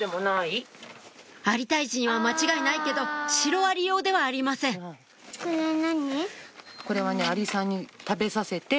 アリ退治には間違いないけどシロアリ用ではありませんこれはね。